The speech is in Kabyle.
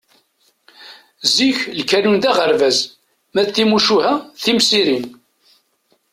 Zik, lkanun d aɣerbaz ma d timucuha d timsirin.